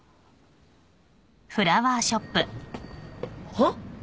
はっ？